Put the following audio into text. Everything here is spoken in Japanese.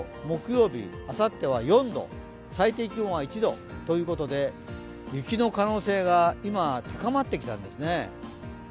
木曜日、あさっては４度最低気温は１度ということで雪の可能性が今、高まってきたんですね。